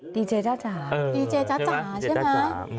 อ๋อดีเจจ้าจ๋าเออดีเจจ้าจ๋าใช่ไหมดีเจจ้าจ๋า